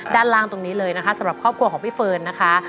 ด้านล่างตรงนี้เลยนะคะสำหรับครอบครัวของพี่เฟิร์นนะคะ